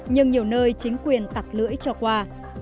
nhưng nhiều nơi chính quyền tặc lưỡi cho qua